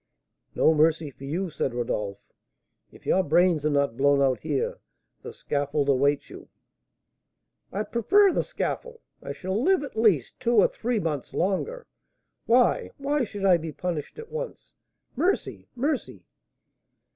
"No mercy for you," said Rodolph. "If your brains are not blown out here, the scaffold awaits you " "I prefer the scaffold, I shall live, at least, two or three months longer. Why, why should I be punished at once? Mercy! mercy!"